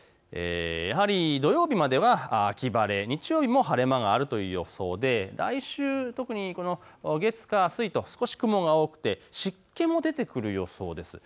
やはり土曜日までは秋晴れ、日曜日も晴れ間があるという予想で来週特に月火水と少し雲が多くて湿気も出てくる予想です。